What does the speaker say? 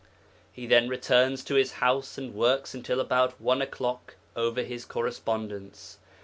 'He then returns to his house and works until about one o'clock over his correspondence.